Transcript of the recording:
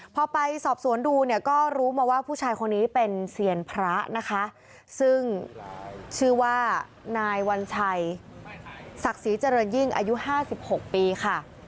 พอไปสอบสวนดูเนี่ยก็รู้มาว่าผู้ชายคนนี้เป็นเซียนพระนะคะซึ่งชื่อว่านายวัญชัยศักดิ์ศรีเจริญยิ่งอายุ๕๖ปีค่ะ